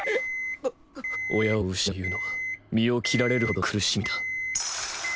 ポップ親を失うというのは身を切られるほどの苦しみだ。